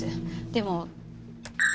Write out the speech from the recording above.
でも。